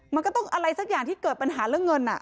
มันก็ต้องอะไรสักอย่างที่เกิดปัญหาเรื่องเงิน